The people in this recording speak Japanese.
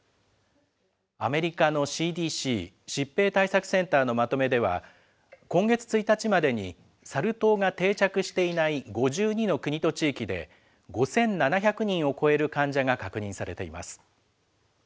アメリカのＣＤＣ・疾病対策センターのまとめでは、今月１日までに、サル痘が定着していない５２の国と地域で、５７００人を超える患者が確認されています。